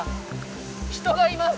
人がいます！